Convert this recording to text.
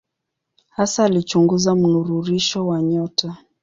Hasa alichunguza mnururisho wa nyota.